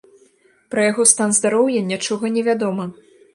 Пра яго стан здароўя нічога не вядома.